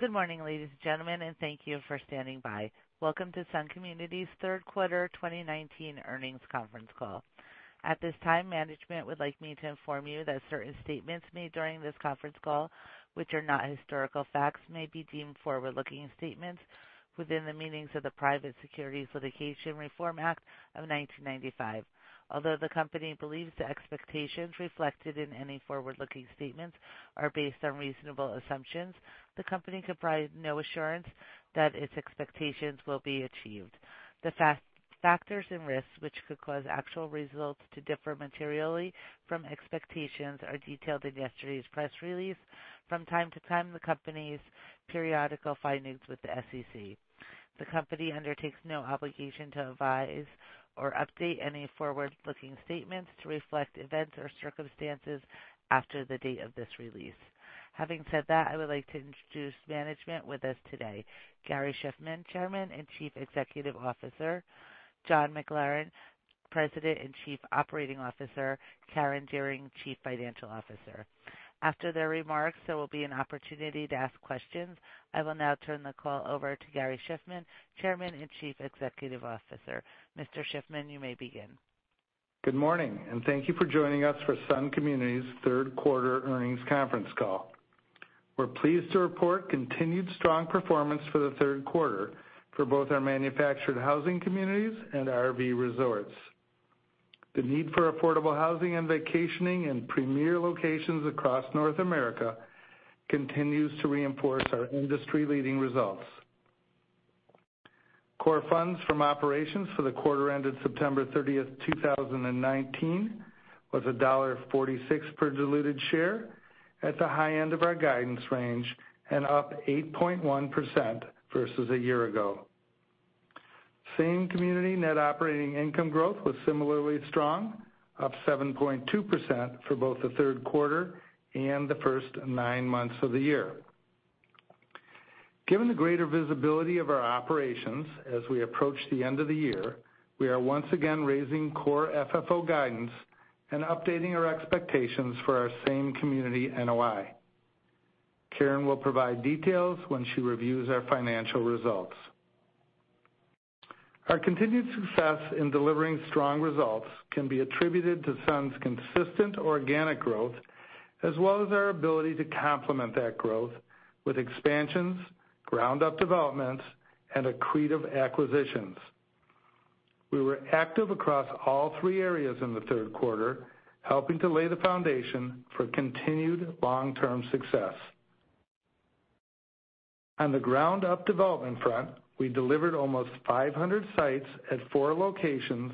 Good morning, ladies and gentlemen, thank you for standing by. Welcome to Sun Communities' third quarter 2019 earnings conference call. At this time, management would like me to inform you that certain statements made during this conference call, which are not historical facts, may be deemed forward-looking statements within the meanings of the Private Securities Litigation Reform Act of 1995. Although the company believes the expectations reflected in any forward-looking statements are based on reasonable assumptions, the company can provide no assurance that its expectations will be achieved. The factors and risks which could cause actual results to differ materially from expectations are detailed in yesterday's press release. From time to time, the company's periodical filings with the SEC. The company undertakes no obligation to revise or update any forward-looking statements to reflect events or circumstances after the date of this release. Having said that, I would like to introduce management with us today, Gary Shiffman, Chairman and Chief Executive Officer, John McLaren, President and Chief Operating Officer, Karen Dearing, Chief Financial Officer. After their remarks, there will be an opportunity to ask questions. I will now turn the call over to Gary Shiffman, Chairman and Chief Executive Officer. Mr. Shiffman, you may begin. Good morning. Thank you for joining us for Sun Communities' third quarter earnings conference call. We're pleased to report continued strong performance for the third quarter for both our manufactured housing communities and RV resorts. The need for affordable housing and vacationing in premier locations across North America continues to reinforce our industry-leading results. Core funds from operations for the quarter ended September 30th, 2019, was $1.46 per diluted share, at the high end of our guidance range and up 8.1% versus a year ago. Same community net operating income growth was similarly strong, up 7.2% for both the third quarter and the first nine months of the year. Given the greater visibility of our operations as we approach the end of the year, we are once again raising Core FFO guidance and updating our expectations for our same community NOI. Karen will provide details when she reviews our financial results. Our continued success in delivering strong results can be attributed to Sun's consistent organic growth, as well as our ability to complement that growth with expansions, ground-up developments, and accretive acquisitions. We were active across all three areas in the third quarter, helping to lay the foundation for continued long-term success. On the ground-up development front, we delivered almost 500 sites at four locations,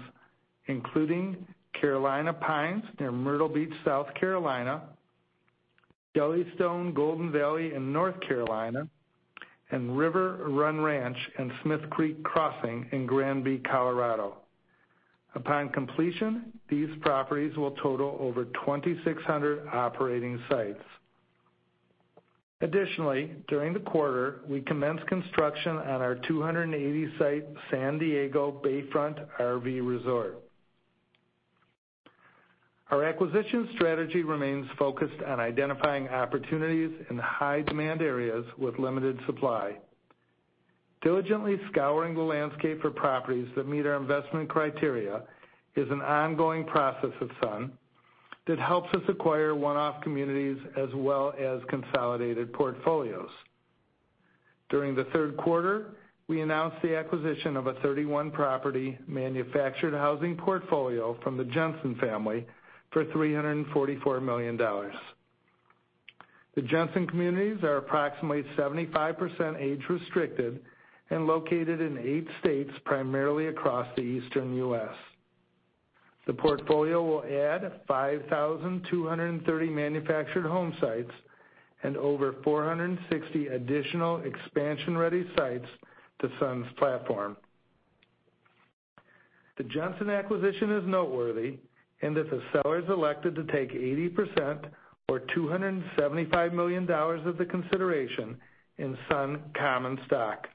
including Carolina Pines near Myrtle Beach, South Carolina, Jellystone Golden Valley in North Carolina, and River Run Ranch and Smith Creek Crossing in Granby, Colorado. Upon completion, these properties will total over 2,600 operating sites. Additionally, during the quarter, we commenced construction on our 280-site San Diego Bayfront RV Resort. Our acquisition strategy remains focused on identifying opportunities in high-demand areas with limited supply. Diligently scouring the landscape for properties that meet our investment criteria is an ongoing process of Sun that helps us acquire one-off communities as well as consolidated portfolios. During the third quarter, we announced the acquisition of a 31-property manufactured housing portfolio from the Jensen family for $344 million. The Jensen communities are approximately 75% age-restricted and located in eight states, primarily across the Eastern U.S. The portfolio will add 5,230 manufactured home sites and over 460 additional expansion-ready sites to Sun's platform. The Jensen acquisition is noteworthy in that the sellers elected to take 80%, or $275 million of the consideration in Sun common stock.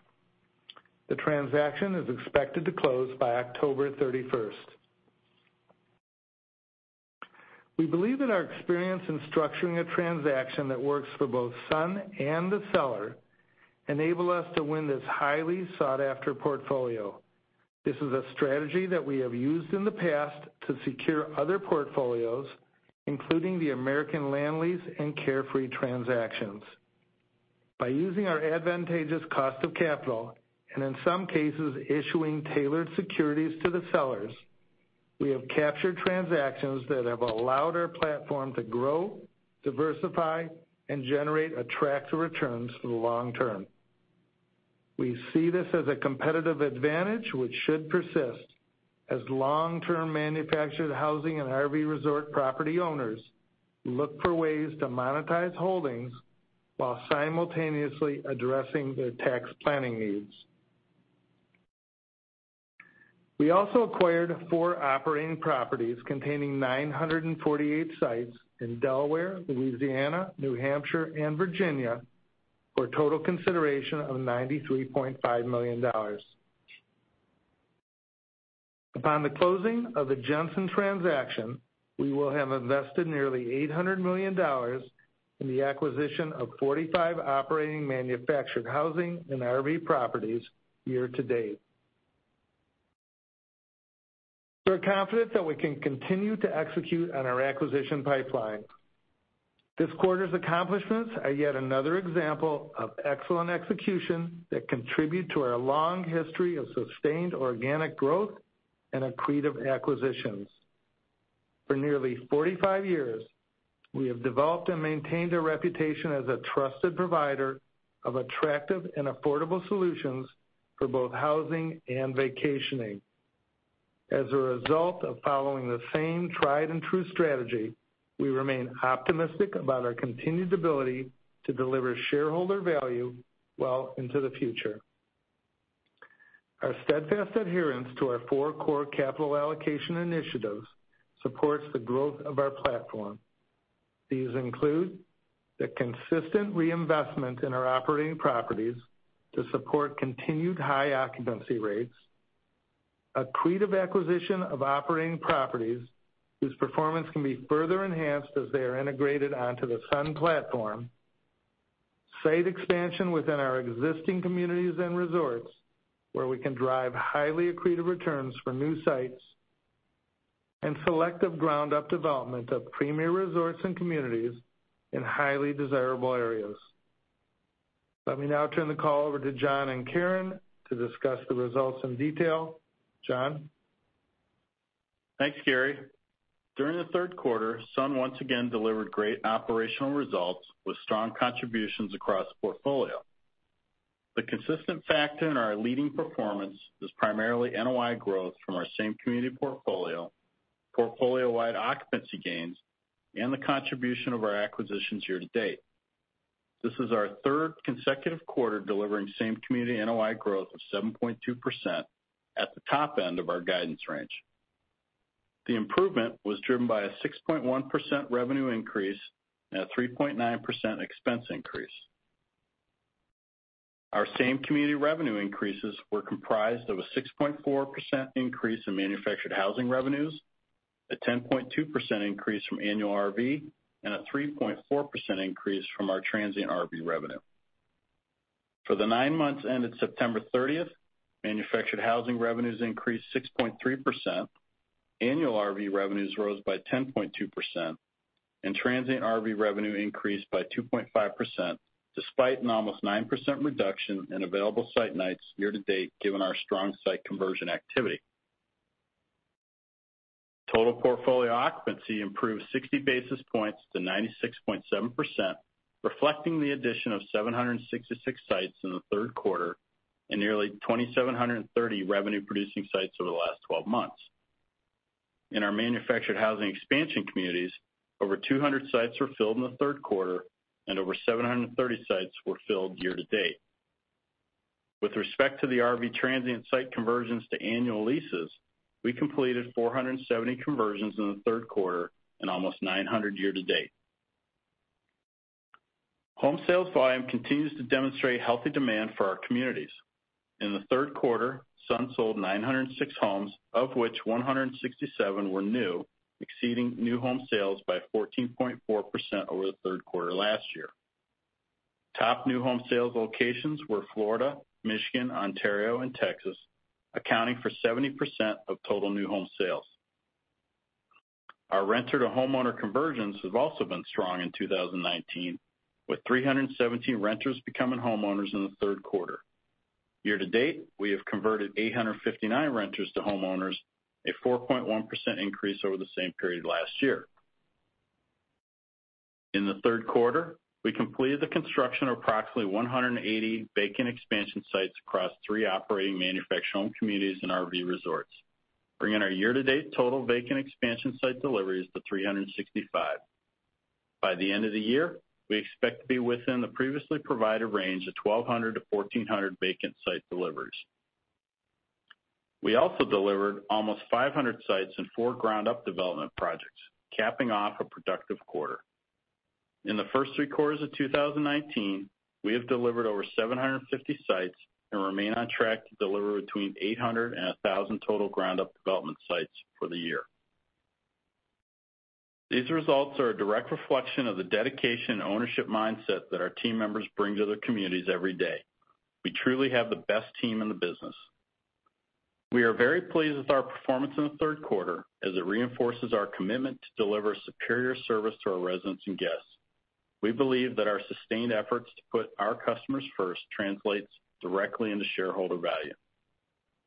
The transaction is expected to close by October 31st. We believe that our experience in structuring a transaction that works for both Sun and the seller enable us to win this highly sought-after portfolio. This is a strategy that we have used in the past to secure other portfolios, including the American Land Lease and Carefree transactions. By using our advantageous cost of capital, and in some cases, issuing tailored securities to the sellers, we have captured transactions that have allowed our platform to grow, diversify, and generate attractive returns for the long term. We see this as a competitive advantage which should persist as long-term manufactured housing and RV resort property owners look for ways to monetize holdings while simultaneously addressing their tax planning needs. We also acquired four operating properties containing 948 sites in Delaware, Louisiana, New Hampshire, and Virginia for a total consideration of $93.5 million. Upon the closing of the Jensen transaction, we will have invested nearly $800 million in the acquisition of 45 operating manufactured housing and RV properties year to date. We're confident that we can continue to execute on our acquisition pipeline. This quarter's accomplishments are yet another example of excellent execution that contribute to our long history of sustained organic growth and accretive acquisitions. For nearly 45 years, we have developed and maintained a reputation as a trusted provider of attractive and affordable solutions for both housing and vacationing. As a result of following the same tried and true strategy, we remain optimistic about our continued ability to deliver shareholder value well into the future. Our steadfast adherence to our four core capital allocation initiatives supports the growth of our platform. These include the consistent reinvestment in our operating properties to support continued high occupancy rates, accretive acquisition of operating properties whose performance can be further enhanced as they are integrated onto the Sun platform, site expansion within our existing communities and resorts, where we can drive highly accretive returns for new sites, and selective ground-up development of premier resorts and communities in highly desirable areas. Let me now turn the call over to John and Karen to discuss the results in detail. John? Thanks, Gary. During the third quarter, Sun once again delivered great operational results with strong contributions across the portfolio. The consistent factor in our leading performance is primarily NOI growth from our same community portfolio-wide occupancy gains, and the contribution of our acquisitions year to date. This is our third consecutive quarter delivering same community NOI growth of 7.2% at the top end of our guidance range. The improvement was driven by a 6.1% revenue increase and a 3.9% expense increase. Our same community revenue increases were comprised of a 6.4% increase in manufactured housing revenues, a 10.2% increase from annual RV, and a 3.4% increase from our transient RV revenue. For the nine months ended September 30th, manufactured housing revenues increased 6.3%, annual RV revenues rose by 10.2%, and transient RV revenue increased by 2.5%, despite an almost 9% reduction in available site nights year to date given our strong site conversion activity. Total portfolio occupancy improved 60 basis points to 96.7%, reflecting the addition of 766 sites in the third quarter and nearly 2,730 revenue-producing sites over the last 12 months. In our manufactured housing expansion communities, over 200 sites were filled in the third quarter, and over 730 sites were filled year to date. With respect to the RV transient site conversions to annual leases, we completed 470 conversions in the third quarter and almost 900 year to date. Home sales volume continues to demonstrate healthy demand for our communities. In the third quarter, Sun sold 906 homes, of which 167 were new, exceeding new home sales by 14.4% over the third quarter last year. Top new home sales locations were Florida, Michigan, Ontario, and Texas, accounting for 70% of total new home sales. Our renter-to-homeowner conversions have also been strong in 2019, with 317 renters becoming homeowners in the third quarter. Year to date, we have converted 859 renters to homeowners, a 4.1% increase over the same period last year. In the third quarter, we completed the construction of approximately 180 vacant expansion sites across three operating manufactured home communities and RV resorts, bringing our year-to-date total vacant expansion site deliveries to 365. By the end of the year, we expect to be within the previously provided range of 1,200 to 1,400 vacant site deliveries. We also delivered almost 500 sites in four ground-up development projects, capping off a productive quarter. In the first three quarters of 2019, we have delivered over 750 sites and remain on track to deliver between 800 and 1,000 total ground-up development sites for the year. These results are a direct reflection of the dedication and ownership mindset that our team members bring to the communities every day. We truly have the best team in the business. We are very pleased with our performance in the third quarter, as it reinforces our commitment to deliver superior service to our residents and guests. We believe that our sustained efforts to put our customers first translates directly into shareholder value.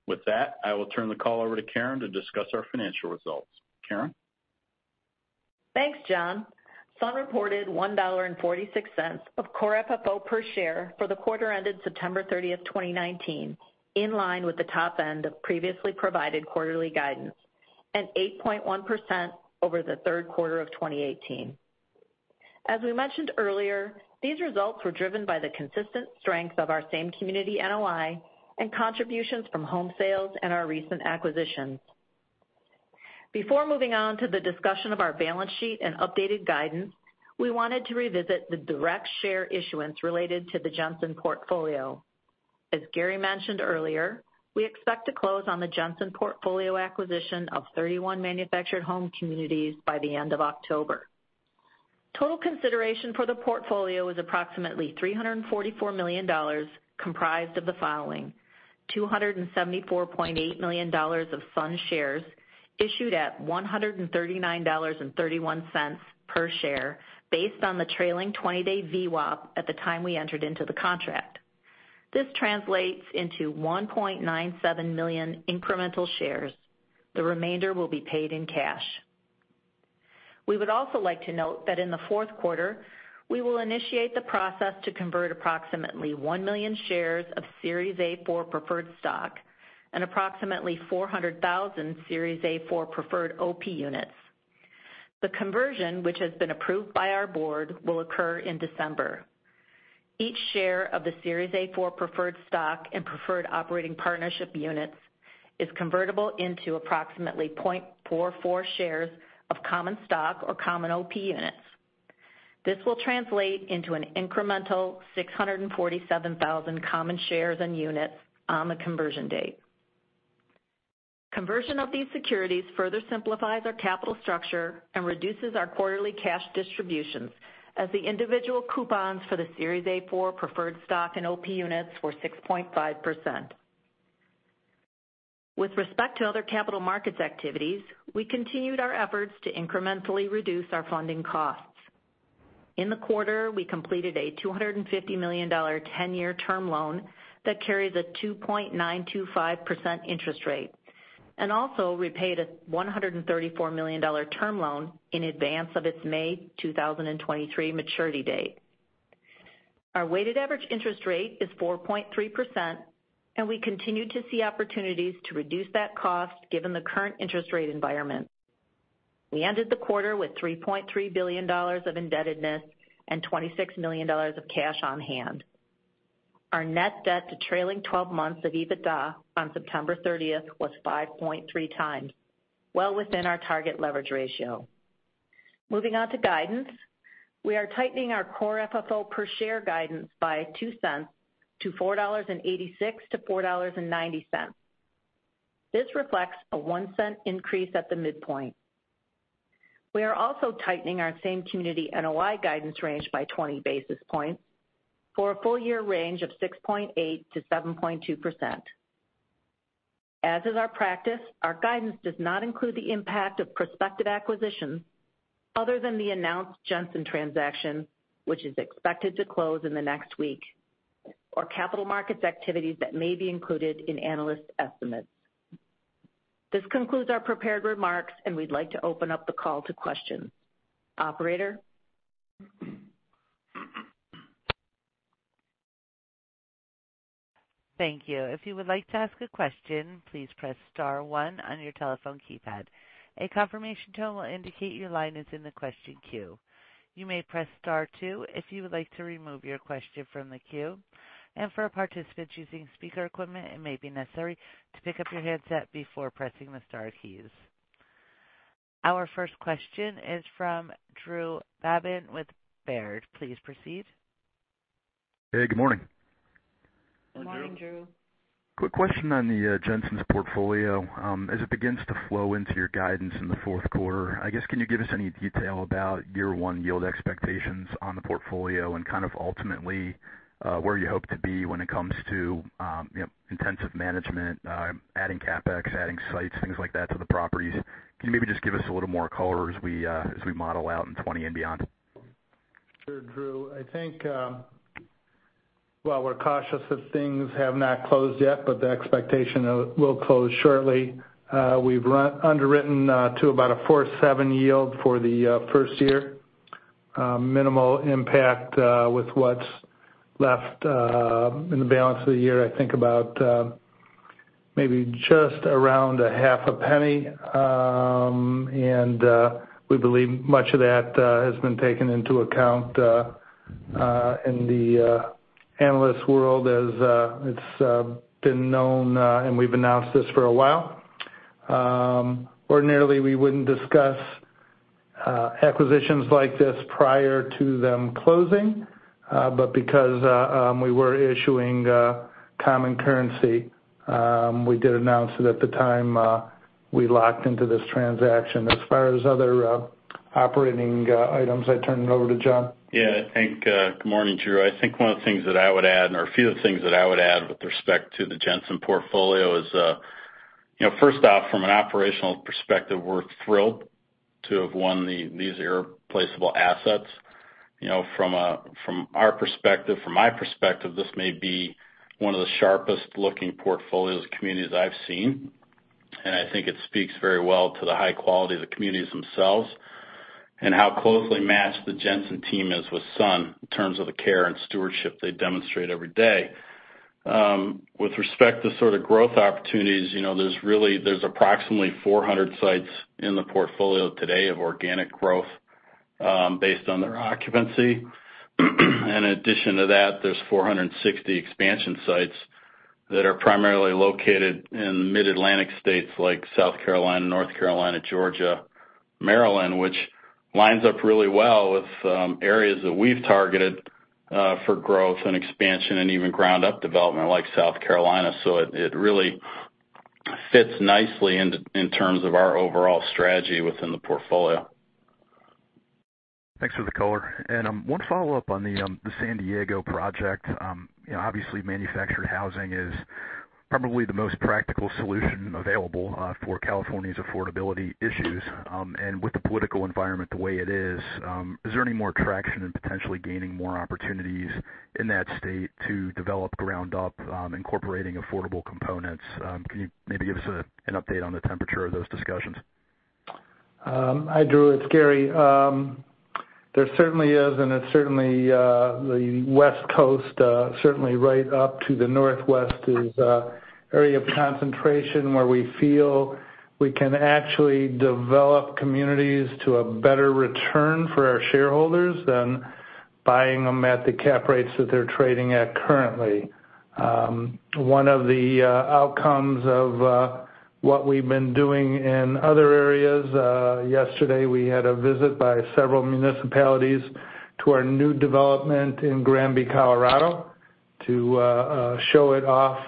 With that, I will turn the call over to Karen to discuss our financial results. Karen? Thanks, John. Sun reported $1.46 of Core FFO per share for the quarter ended September 30th, 2019, in line with the top end of previously provided quarterly guidance, 8.1% over the third quarter of 2018. As we mentioned earlier, these results were driven by the consistent strength of our same community NOI and contributions from home sales and our recent acquisitions. Before moving on to the discussion of our balance sheet and updated guidance, we wanted to revisit the direct share issuance related to the Jensen portfolio. As Gary mentioned earlier, we expect to close on the Jensen portfolio acquisition of 31 manufactured home communities by the end of October. Total consideration for the portfolio is approximately $344 million, comprised of the following: $274.8 million of Sun shares issued at $139.31 per share based on the trailing 20-day VWAP at the time we entered into the contract. This translates into 1.97 million incremental shares. The remainder will be paid in cash. We would also like to note that in the fourth quarter, we will initiate the process to convert approximately 1 million shares of Series A-4 preferred stock and approximately 400,000 Series A-4 preferred OP units. The conversion, which has been approved by our board, will occur in December. Each share of the Series A-4 preferred stock and preferred Operating Partnership units is convertible into approximately 0.44 shares of common stock or common OP units. This will translate into an incremental 647,000 common shares and units on the conversion date. Conversion of these securities further simplifies our capital structure and reduces our quarterly cash distributions as the individual coupons for the Series A-4 preferred stock and OP units were 6.5%. With respect to other capital markets activities, we continued our efforts to incrementally reduce our funding costs. In the quarter, we completed a $250 million 10-year term loan that carries a 2.925% interest rate, and also repaid a $134 million term loan in advance of its May 2023 maturity date. Our weighted average interest rate is 4.3%, and we continue to see opportunities to reduce that cost given the current interest rate environment. We ended the quarter with $3.3 billion of indebtedness and $26 million of cash on hand. Our net debt to trailing 12 months of EBITDA on September 30th was 5.3 times, well within our target leverage ratio. Moving on to guidance. We are tightening our core FFO per share guidance by $0.02 to $4.86-$4.90. This reflects a $0.01 increase at the midpoint. We are also tightening our same community NOI guidance range by 20 basis points for a full-year range of 6.8%-7.2%. As is our practice, our guidance does not include the impact of prospective acquisitions other than the announced Jensen transaction, which is expected to close in the next week, or capital markets activities that may be included in analyst estimates. This concludes our prepared remarks, and we'd like to open up the call to questions. Operator? Thank you. If you would like to ask a question, please press *1 on your telephone keypad. A confirmation tone will indicate your line is in the question queue. You may press *2 if you would like to remove your question from the queue. For our participants using speaker equipment, it may be necessary to pick up your handset before pressing the star keys. Our first question is from Drew Babin with Baird. Please proceed. Hey, good morning. Good morning, Drew. Quick question on the Jensen portfolio. As it begins to flow into your guidance in the fourth quarter, I guess can you give us any detail about year 1 yield expectations on the portfolio and kind of ultimately where you hope to be when it comes to intensive management, adding CapEx, adding sites, things like that to the properties? Can you maybe just give us a little more color as we model out in 2020 and beyond? Sure, Drew. I think while we're cautious that things have not closed yet, but the expectation it will close shortly. We've underwritten to about a 4.7% yield for the first year. Minimal impact with what's left in the balance of the year. I think about maybe just around $0.005. We believe much of that has been taken into account in the analyst world as it's been known, and we've announced this for a while. Ordinarily, we wouldn't discuss acquisitions like this prior to them closing. Because we were issuing common currency, we did announce it at the time we locked into this transaction. As far as other operating items, I turn it over to John. Good morning, Drew. I think one of the things that I would add, or a few of the things that I would add with respect to the Jensen portfolio is first off, from an operational perspective, we're thrilled to have won these irreplaceable assets. From our perspective, from my perspective, this may be one of the sharpest looking portfolios of communities I've seen. And I think it speaks very well to the high quality of the communities themselves and how closely matched the Jensen team is with Sun in terms of the care and stewardship they demonstrate every day. With respect to sort of growth opportunities, there's approximately 400 sites in the portfolio today of organic growth. Based on their occupancy. In addition to that, there's 460 expansion sites that are primarily located in mid-Atlantic states like South Carolina, North Carolina, Georgia, Maryland, which lines up really well with areas that we've targeted for growth and expansion, and even ground up development like South Carolina. It really fits nicely in terms of our overall strategy within the portfolio. Thanks for the color. One follow-up on the San Diego project. Obviously, manufactured housing is probably the most practical solution available for California's affordability issues. With the political environment the way it is there any more traction in potentially gaining more opportunities in that state to develop ground up, incorporating affordable components? Can you maybe give us an update on the temperature of those discussions? Hi, Drew, it's Gary. There certainly is, and it's certainly the West Coast, certainly right up to the Northwest is an area of concentration where we feel we can actually develop communities to a better return for our shareholders than buying them at the cap rates that they're trading at currently. One of the outcomes of what we've been doing in other areas, yesterday we had a visit by several municipalities to our new development in Granby, Colorado, to show it off,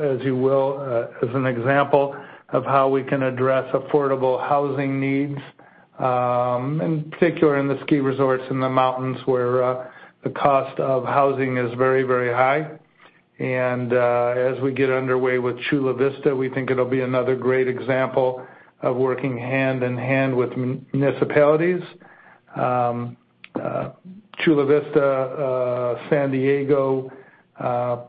as you will, as an example of how we can address affordable housing needs, in particular in the ski resorts in the mountains, where the cost of housing is very high. As we get underway with Chula Vista, we think it'll be another great example of working hand in hand with municipalities. Chula Vista, San Diego, has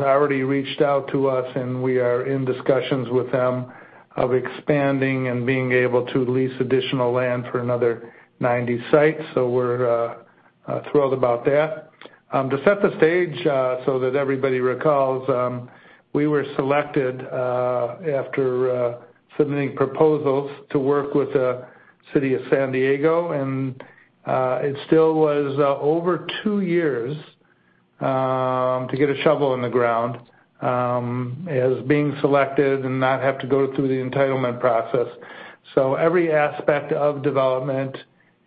already reached out to us. We are in discussions with them of expanding and being able to lease additional land for another 90 sites. We're thrilled about that. To set the stage so that everybody recalls, we were selected after submitting proposals to work with the City of San Diego. It still was over two years to get a shovel in the ground as being selected and not have to go through the entitlement process. Every aspect of development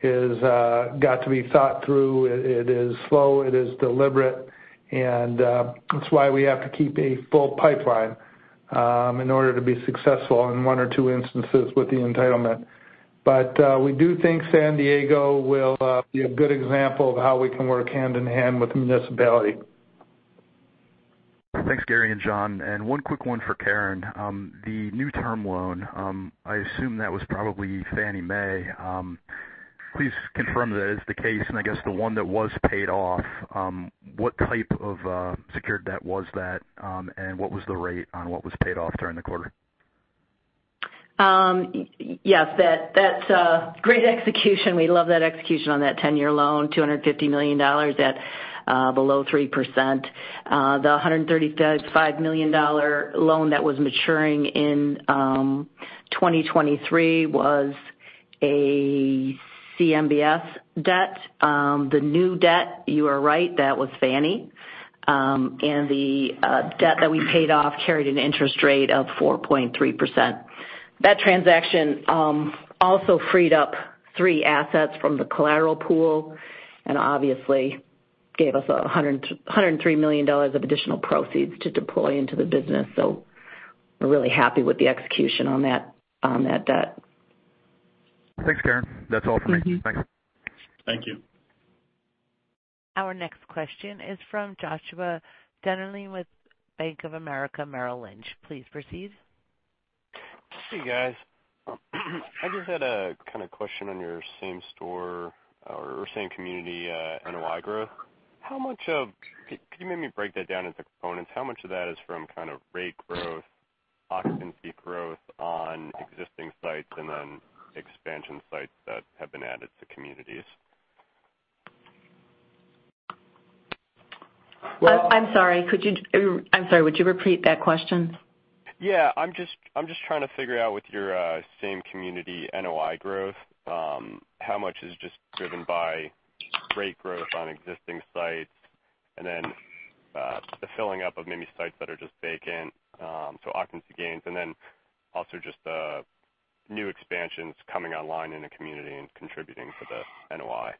is got to be thought through. It is slow, it is deliberate. That's why we have to keep a full pipeline in order to be successful in one or two instances with the entitlement. We do think San Diego will be a good example of how we can work hand in hand with the municipality. Thanks, Gary and John. One quick one for Karen. The new term loan, I assume that was probably Fannie Mae. Please confirm that is the case, and I guess the one that was paid off, what type of secured debt was that? What was the rate on what was paid off during the quarter? Yes. That's great execution. We love that execution on that 10-year loan, $250 million at below 3%. The $135 million loan that was maturing in 2023 was a CMBS debt. The new debt, you are right, that was Fannie. The debt that we paid off carried an interest rate of 4.3%. That transaction also freed up three assets from the collateral pool and obviously gave us $103 million of additional proceeds to deploy into the business. We're really happy with the execution on that debt. Thanks, Karen. That's all for me. Thanks. Thank you. Our next question is from Joshua Dennerlein with Bank of America Merrill Lynch. Please proceed. Hey, guys. I just had a kind of question on your same store or same community NOI growth. Can you maybe break that down into components? How much of that is from kind of rate growth, occupancy growth on existing sites, and then expansion sites that have been added to communities? I'm sorry. Would you repeat that question? Yeah. I am just trying to figure out with your same community NOI growth, how much is just driven by rate growth on existing sites, and then the filling up of maybe sites that are just vacant, so occupancy gains, and then also just the new expansions coming online in the community and contributing to the NOI.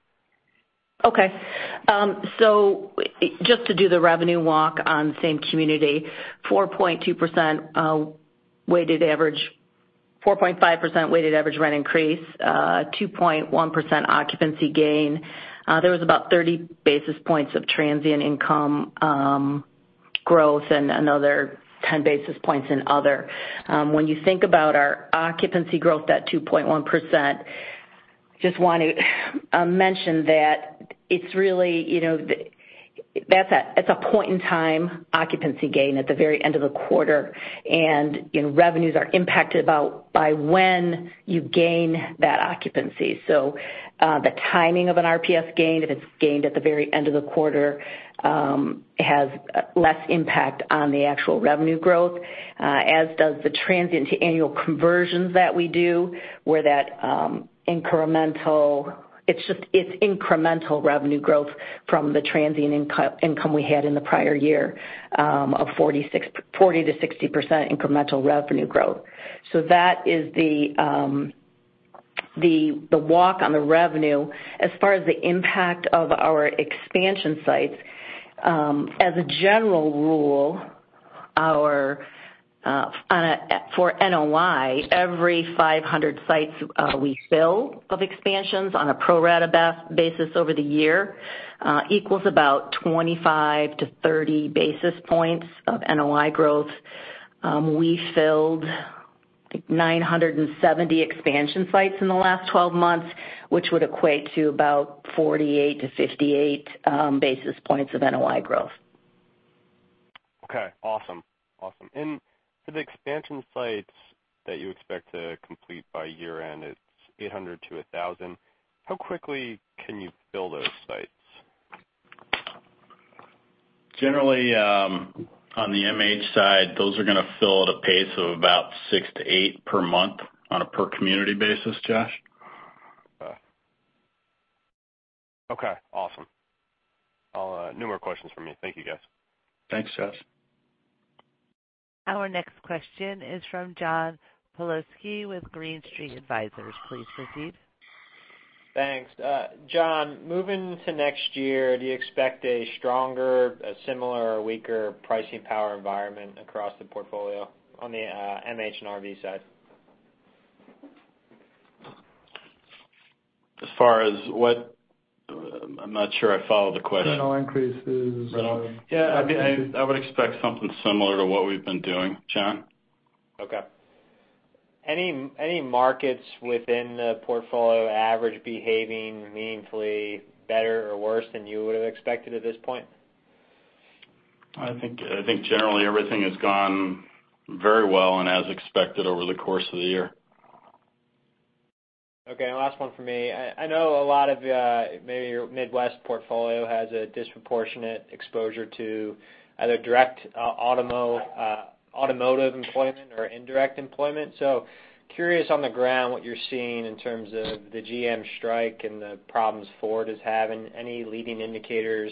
Okay. Just to do the revenue walk on same community, 4.5% weighted average rent increase, 2.1% occupancy gain. There was about 30 basis points of transient income growth and another 10 basis points in other. When you think about our occupancy growth at 2.1%, just want to mention that it's a point in time occupancy gain at the very end of the quarter, and revenues are impacted by when you gain that occupancy. The timing of an RPS gain, if it's gained at the very end of the quarter, has less impact on the actual revenue growth, as does the transient to annual conversions that we do, where that it's incremental revenue growth from the transient income we had in the prior year of 40%-60% incremental revenue growth. That is the The walk on the revenue as far as the impact of our expansion sites, as a general rule, for NOI, every 500 sites we fill of expansions on a pro rata basis over the year, equals about 25-30 basis points of NOI growth. We filled 970 expansion sites in the last 12 months, which would equate to about 48-58 basis points of NOI growth. Okay. Awesome. For the expansion sites that you expect to complete by year-end, it's 800-1,000. How quickly can you fill those sites? Generally, on the MH side, those are going to fill at a pace of about six to eight per month on a per community basis, Josh. Okay. Awesome. No more questions for me. Thank you, guys. Thanks, Josh. Our next question is from John Pawlowski with Green Street Advisors. Please proceed. Thanks. John, moving to next year, do you expect a stronger, a similar, or weaker pricing power environment across the portfolio on the MH and RV side? As far as what I'm not sure I follow the question. Rental increases. Rental. Yeah, I would expect something similar to what we've been doing, John. Okay. Any markets within the portfolio average behaving meaningfully better or worse than you would've expected at this point? I think generally everything has gone very well and as expected over the course of the year. Okay. Last one for me. I know a lot of maybe your Midwest portfolio has a disproportionate exposure to either direct automotive employment or indirect employment. Curious on the ground what you're seeing in terms of the GM strike and the problems Ford is having. Any leading indicators,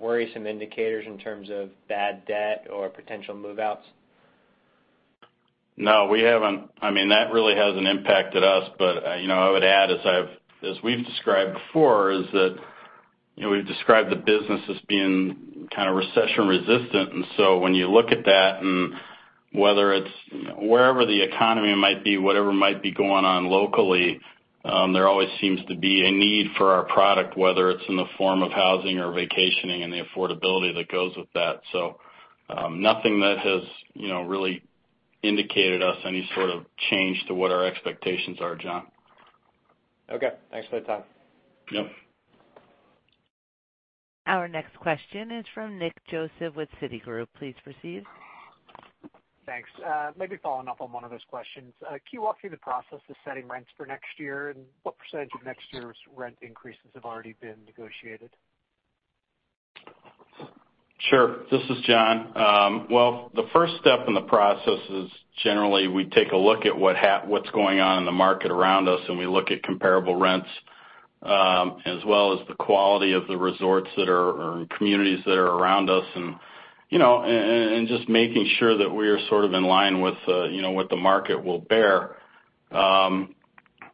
worrisome indicators in terms of bad debt or potential move-outs? No. That really hasn't impacted us. I would add, as we've described before, is that we've described the business as being kind of recession-resistant, and so when you look at that and wherever the economy might be, whatever might be going on locally, there always seems to be a need for our product, whether it's in the form of housing or vacationing and the affordability that goes with that. Nothing that has really indicated us any sort of change to what our expectations are, John. Okay. Thanks for the time. Yep. Our next question is from Nick Joseph with Citigroup. Please proceed. Thanks. Maybe following up on one of those questions. Can you walk through the process of setting rents for next year? What % of next year's rent increases have already been negotiated? Sure. This is John. Well, the first step in the process is generally we take a look at what's going on in the market around us, and we look at comparable rents, as well as the quality of the resorts or communities that are around us, and just making sure that we're sort of in line with what the market will bear. One of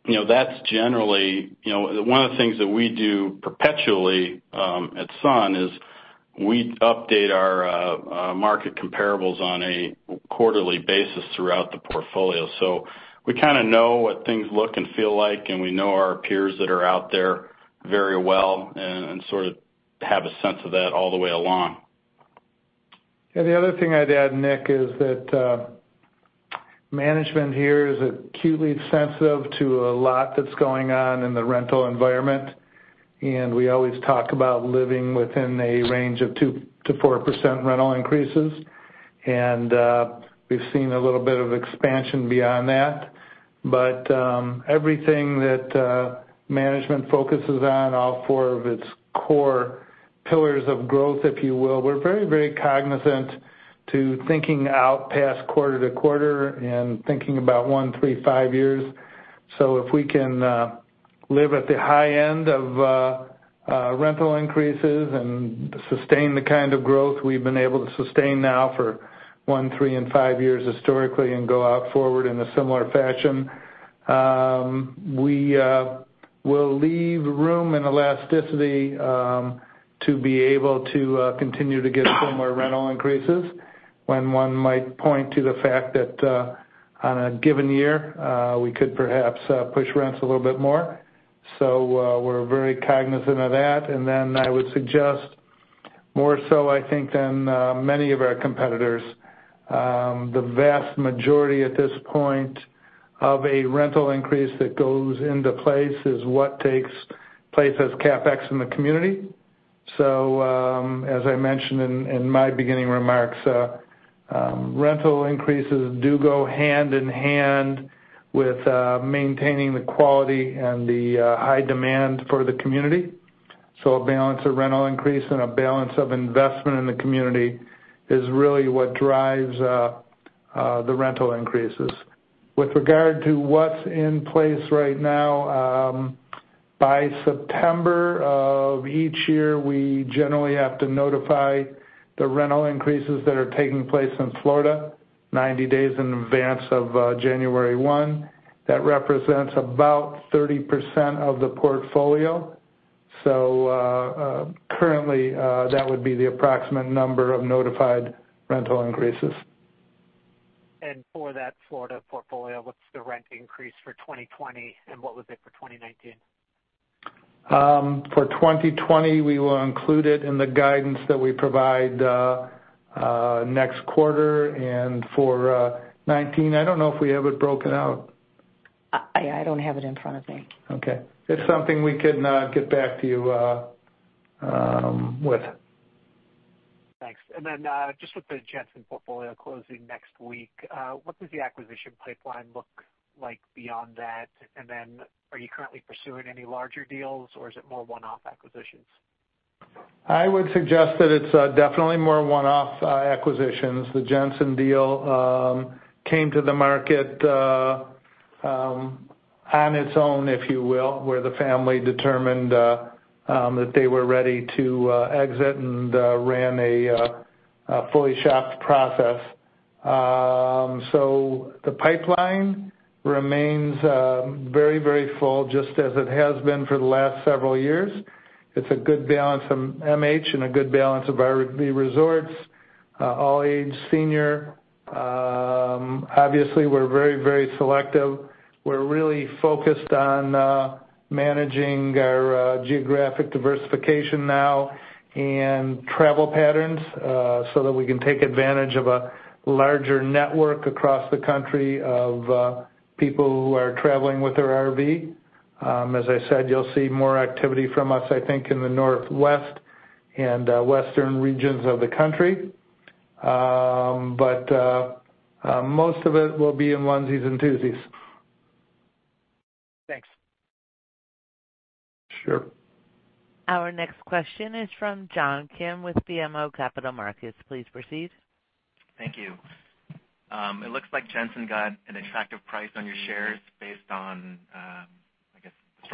the things that we do perpetually at Sun is we update our market comparables on a quarterly basis throughout the portfolio. We kind of know what things look and feel like, and we know our peers that are out there very well and sort of have a sense of that all the way along. The other thing I'd add, Nick, is that management here is acutely sensitive to a lot that's going on in the rental environment, and we always talk about living within a range of 2%-4% rental increases. We've seen a little bit of expansion beyond that. Everything that management focuses on, all four of its core pillars of growth, if you will, we're very, very cognizant to thinking out past quarter to quarter and thinking about one, three, five years. If we can live at the high end of rental increases and sustain the kind of growth we've been able to sustain now for one, three and five years historically and go out forward in a similar fashion, we will leave room and elasticity to be able to continue to get similar rental increases when one might point to the fact that on a given year, we could perhaps push rents a little bit more. We're very cognizant of that. I would suggest more so I think than many of our competitors, the vast majority at this point of a rental increase that goes into place is what takes place as CapEx in the community. As I mentioned in my beginning remarks, rental increases do go hand in hand with maintaining the quality and the high demand for the community. A balance of rental increase and a balance of investment in the community is really what drives the rental increases. With regard to what's in place right now, by September of each year, we generally have to notify the rental increases that are taking place in Florida 90 days in advance of January 1. That represents about 30% of the portfolio. Currently, that would be the approximate number of notified rental increases. For that Florida portfolio, what's the rent increase for 2020 and what was it for 2019? For 2020, we will include it in the guidance that we provide next quarter. For 2019, I don't know if we have it broken out. I don't have it in front of me. Okay. It's something we could get back to you with. Thanks. Just with the Jensen's portfolio closing next week, what does the acquisition pipeline look like beyond that? Are you currently pursuing any larger deals or is it more one-off acquisitions? I would suggest that it's definitely more one-off acquisitions. The Jensen's deal came to the market on its own, if you will, where the family determined that they were ready to exit and ran a fully shopped process. The pipeline remains very full, just as it has been for the last several years. It's a good balance of MH and a good balance of RV resorts, all age senior. Obviously, we're very selective. We're really focused on managing our geographic diversification now and travel patterns, so that we can take advantage of a larger network across the country of people who are traveling with their RV. As I said, you'll see more activity from us, I think, in the Northwest and Western regions of the country. Most of it will be in onesies and twosies. Thanks. Sure. Our next question is from John Kim with BMO Capital Markets. Please proceed. Thank you. It looks like Jensen got an attractive price on your shares based on, I guess, the strong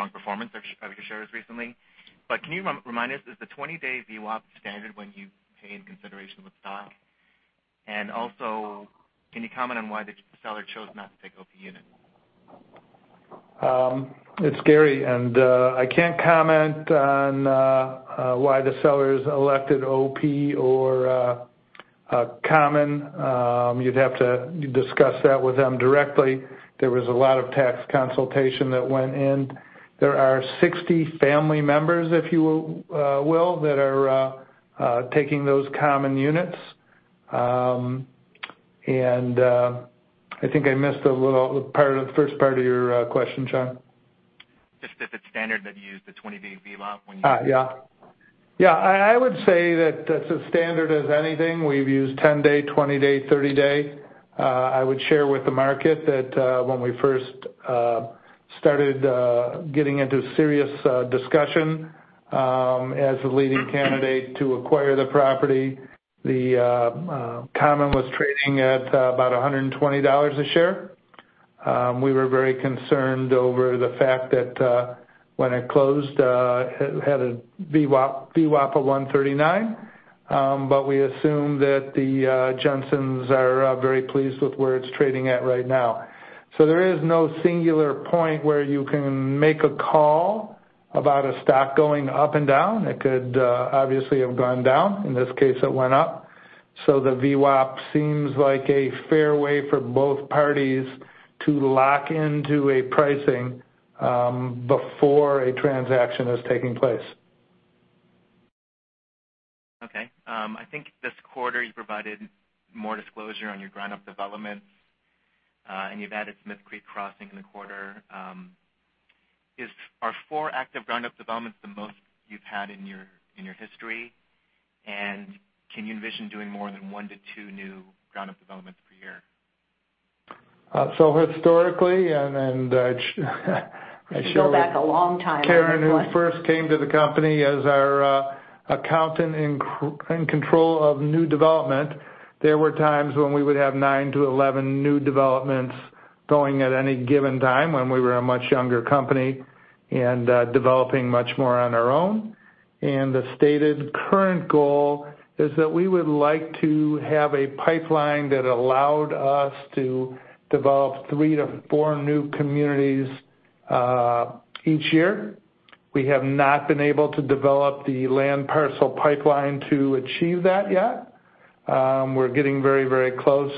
performance of your shares recently. Can you remind us, is the 20-day VWAP standard when you pay in consideration with stock? Also, can you comment on why the seller chose not to take OP units? It's Gary. I can't comment on why the sellers elected OP or common. You'd have to discuss that with them directly. There was a lot of tax consultation that went in. There are 60 family members, if you will, that are taking those common units. I think I missed the first part of your question, John. Just if it's standard that you use the 20-day VWAP when you-. Yeah. I would say that that's as standard as anything. We've used 10-day, 20-day, 30-day. I would share with the market that when we first started getting into serious discussion as the leading candidate to acquire the property, the common was trading at about $120 a share. We were very concerned over the fact that when it closed, it had a VWAP of $139. But we assume that the Jensens are very pleased with where it's trading at right now. There is no singular point where you can make a call about a stock going up and down. It could obviously have gone down. In this case, it went up. The VWAP seems like a fair way for both parties to lock into a pricing before a transaction is taking place. Okay. I think this quarter you provided more disclosure on your ground-up developments, and you've added Smith Creek Crossing in the quarter. Are four active ground-up developments the most you've had in your history? Can you envision doing more than one to two new ground-up developments per year? historically, and then. Go back a long time, I think. Karen, who first came to the company as our accountant in control of new development, there were times when we would have nine to 11 new developments going at any given time when we were a much younger company and developing much more on our own. The stated current goal is that we would like to have a pipeline that allowed us to develop three to four new communities each year. We have not been able to develop the land parcel pipeline to achieve that yet. We're getting very close.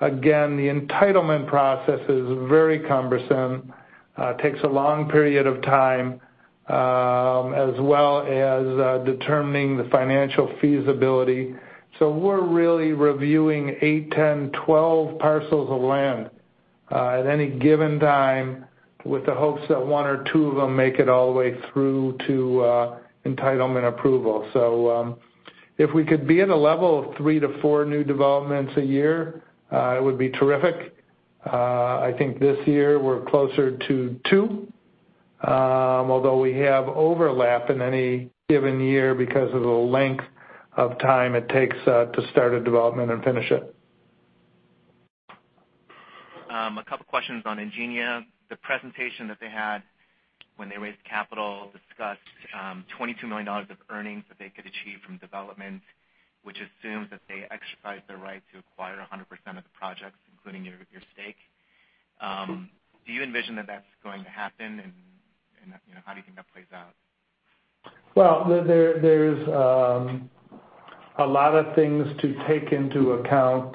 Again, the entitlement process is very cumbersome. It takes a long period of time, as well as determining the financial feasibility. We're really reviewing eight, 10, 12 parcels of land at any given time with the hopes that one or two of them make it all the way through to entitlement approval. If we could be at a level of 3 to 4 new developments a year, it would be terrific. I think this year we're closer to two. Although we have overlap in any given year because of the length of time it takes to start a development and finish it. A couple questions on Ingenia. The presentation that they had when they raised capital discussed $22 million of earnings that they could achieve from development, which assumes that they exercise their right to acquire 100% of the projects, including your stake. Sure. Do you envision that that's going to happen? How do you think that plays out? There's a lot of things to take into account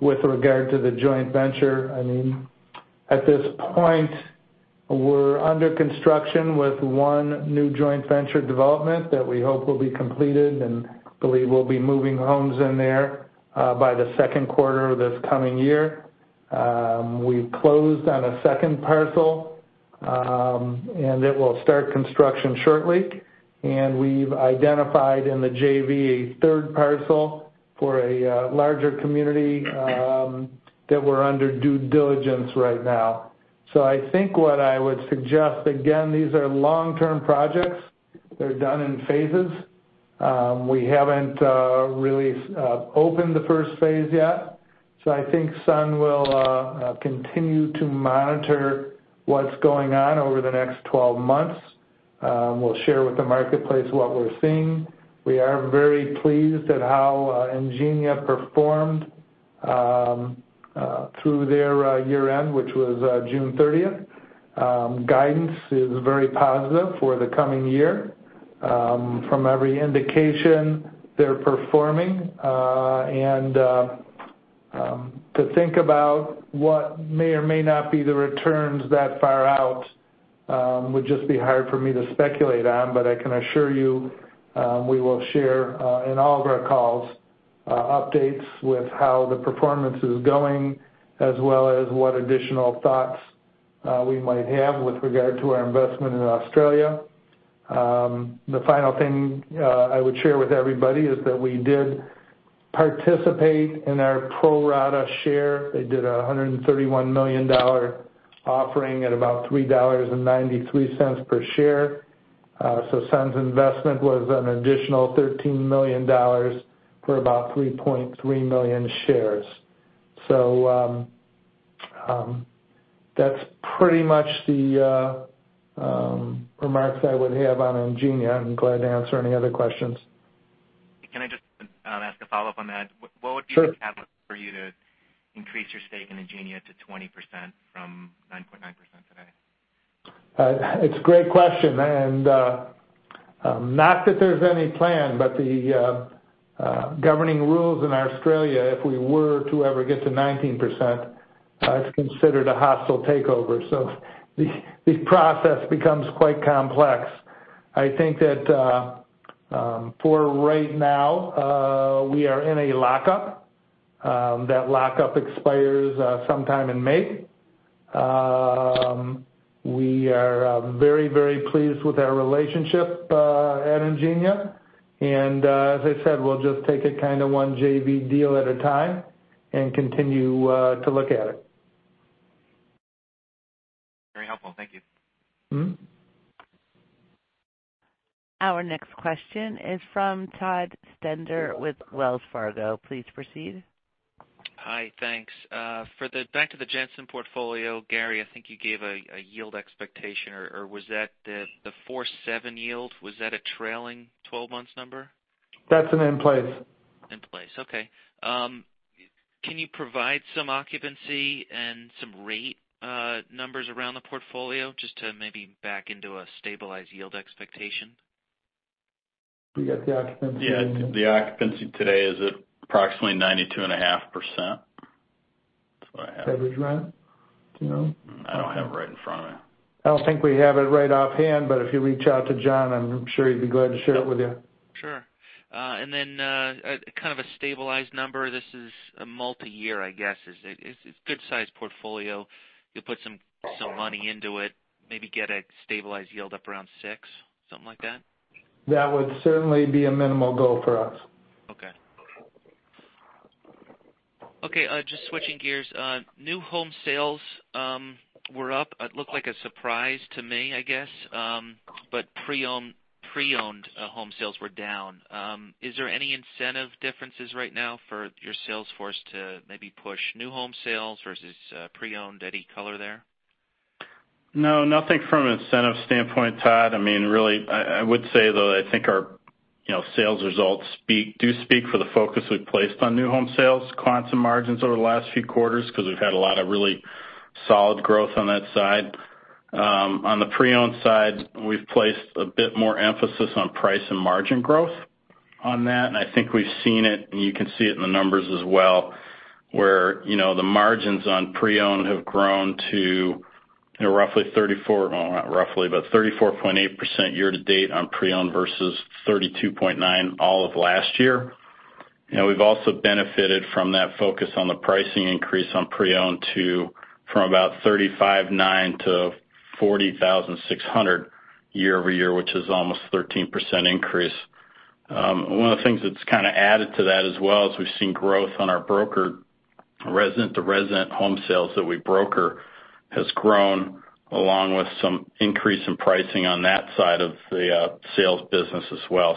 with regard to the joint venture. At this point, we're under construction with one new joint venture development that we hope will be completed and believe we'll be moving homes in there by the second quarter of this coming year. We've closed on a second parcel, and it will start construction shortly. We've identified in the JV a third parcel for a larger community that we're under due diligence right now. I think what I would suggest, again, these are long-term projects. They're done in phases. We haven't really opened the first phase yet. I think Sun will continue to monitor what's going on over the next 12 months. We'll share with the marketplace what we're seeing. We are very pleased at how Ingenia performed through their year-end, which was June 30th. Guidance is very positive for the coming year. From every indication, they're performing. To think about what may or may not be the returns that far out would just be hard for me to speculate on. I can assure you, we will share in all of our calls updates with how the performance is going as well as what additional thoughts we might have with regard to our investment in Australia. The final thing I would share with everybody is that we did participate in our pro-rata share. They did a $131 million offering at about $3.93 per share. Sun's investment was an additional $13 million for about 3.3 million shares. That's pretty much the remarks I would have on Ingenia. I'm glad to answer any other questions. Can I just ask a follow-up on that? Sure. What would be the catalyst for you to increase your stake in Ingenia to 20% from 9.9% today? It's a great question, and not that there's any plan, but the governing rules in Australia, if we were to ever get to 19%, it's considered a hostile takeover. The process becomes quite complex. I think that for right now, we are in a lockup. That lockup expires sometime in May. We are very, very pleased with our relationship at Ingenia. As I said, we'll just take it kind of one JV deal at a time and continue to look at it. Very helpful. Thank you. Our next question is from Todd Stender with Wells Fargo. Please proceed. Hi, thanks. Back to the Jensen portfolio, Gary, I think you gave a yield expectation, or was that the 4.7 yield, was that a trailing 12 months number? That's an in-place. In place, okay. Can you provide some occupancy and some rate numbers around the portfolio just to maybe back into a stabilized yield expectation? Do you have the occupancy in there? Yeah. The occupancy today is at approximately 92.5%. That's what I have. Average rent, do you know? I don't have it right in front of me. I don't think we have it right offhand, but if you reach out to John, I'm sure he'd be glad to share it with you. Sure. Then kind of a stabilized number, this is a multi-year, I guess. It's a good-sized portfolio. You'll put some money into it, maybe get a stabilized yield up around six, something like that? That would certainly be a minimal goal for us. Okay. Just switching gears. New home sales were up. It looked like a surprise to me, I guess. Pre-owned home sales were down. Is there any incentive differences right now for your sales force to maybe push new home sales versus pre-owned? Any color there? No, nothing from an incentive standpoint, Todd. Really, I would say, though, I think our sales results do speak for the focus we've placed on new home sales, quant and margins over the last few quarters because we've had a lot of really solid growth on that side. On the pre-owned side, we've placed a bit more emphasis on price and margin growth on that, and I think we've seen it, and you can see it in the numbers as well, where the margins on pre-owned have grown to about 34.8% year-to-date on pre-owned versus 32.9% all of last year. We've also benefited from that focus on the pricing increase on pre-owned from about $35,900 to $40,600 year-over-year, which is almost 13% increase. One of the things that's kind of added to that as well is we've seen growth on our broker. Resident-to-resident home sales that we broker has grown along with some increase in pricing on that side of the sales business as well.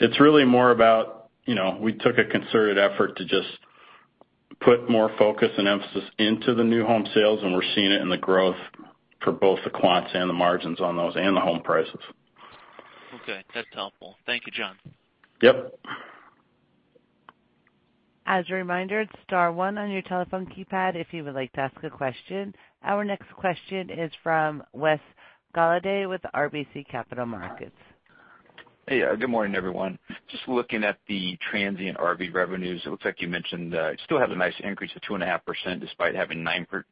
It's really more about, we took a concerted effort to just put more focus and emphasis into the new home sales, and we're seeing it in the growth for both the quants and the margins on those and the home prices. Okay. That's helpful. Thank you, John. Yep. As a reminder, star one on your telephone keypad if you would like to ask a question. Our next question is from Wes Golladay with RBC Capital Markets. Hey, good morning, everyone. Just looking at the transient RV revenues, it looks like you mentioned, still has a nice increase of 2.5% despite having 9%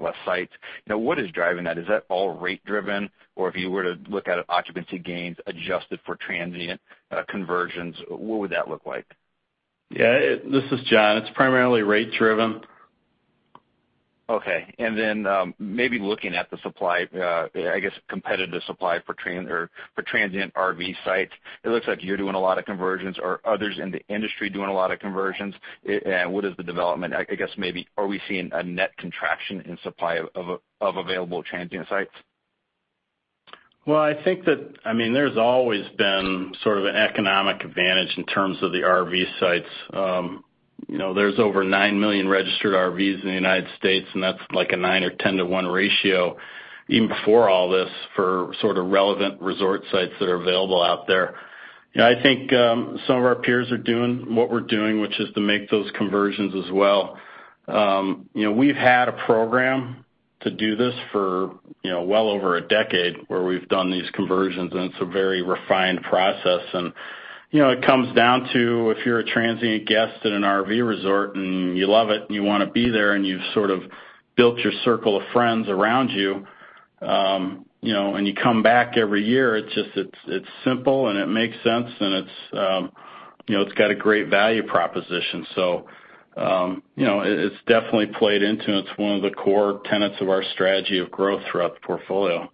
less sites. Now, what is driving that? Is that all rate driven? Or if you were to look at occupancy gains adjusted for transient conversions, what would that look like? Yeah. This is John. It's primarily rate driven. Okay. Maybe looking at the supply, I guess, competitive supply for transient RV sites. It looks like you're doing a lot of conversions. Are others in the industry doing a lot of conversions? What is the development? I guess maybe, are we seeing a net contraction in supply of available transient sites? Well, I think that, there's always been sort of an economic advantage in terms of the RV sites. There's over 9 million registered RVs in the U.S., and that's like a 9 or 10 to 1 ratio even before all this for sort of relevant resort sites that are available out there. I think, some of our peers are doing what we're doing, which is to make those conversions as well. We've had a program to do this for well over a decade where we've done these conversions, and it's a very refined process. It comes down to if you're a transient guest at an RV resort and you love it and you wanna be there, and you've sort of built your circle of friends around you, and you come back every year, it's simple and it makes sense, and it's got a great value proposition. It's definitely played into it. It's one of the core tenets of our strategy of growth throughout the portfolio.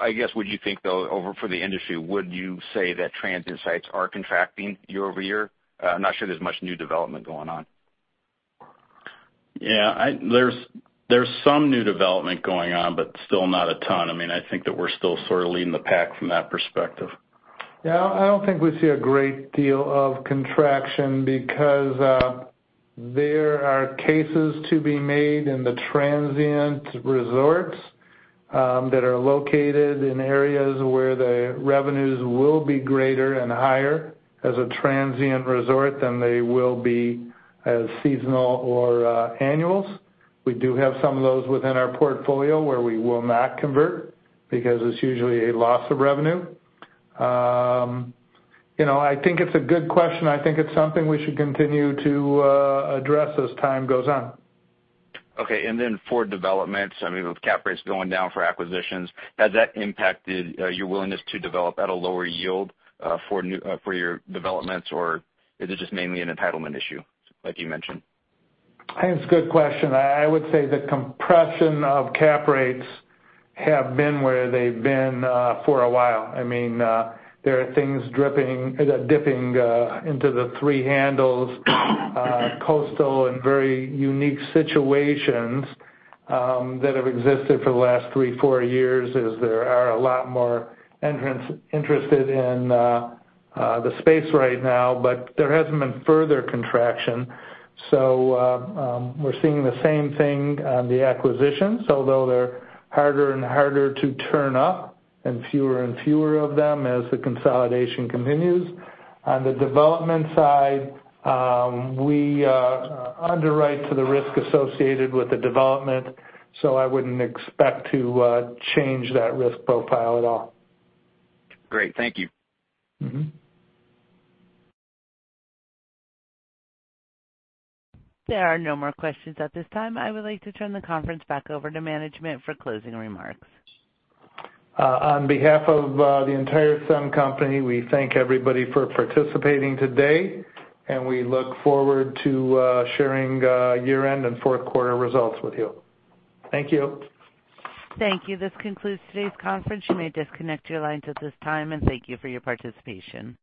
I guess, would you think, though, over for the industry, would you say that transient sites are contracting year-over-year? I'm not sure there's much new development going on. Yeah. There's some new development going on, but still not a ton. I think that we're still sort of leading the pack from that perspective. Yeah. I don't think we see a great deal of contraction because there are cases to be made in the transient resorts that are located in areas where the revenues will be greater and higher as a transient resort than they will be as seasonal or annuals. We do have some of those within our portfolio where we will not convert because it's usually a loss of revenue. I think it's a good question. I think it's something we should continue to address as time goes on. Okay. For development, with cap rates going down for acquisitions, has that impacted your willingness to develop at a lower yield, for your developments? Is it just mainly an entitlement issue like you mentioned? It's a good question. I would say the compression of cap rates have been where they've been for a while. There are things dipping into the three handles, coastal and very unique situations, that have existed for the last three, four years as there are a lot more entrants interested in the space right now. There hasn't been further contraction. We're seeing the same thing on the acquisitions, although they're harder and harder to turn up and fewer and fewer of them as the consolidation continues. On the development side, we underwrite to the risk associated with the development, so I wouldn't expect to change that risk profile at all. Great. Thank you. There are no more questions at this time. I would like to turn the conference back over to management for closing remarks. On behalf of the entire Sun Communities, we thank everybody for participating today, and we look forward to sharing year-end and fourth quarter results with you. Thank you. Thank you. This concludes today's conference. You may disconnect your lines at this time, and thank you for your participation.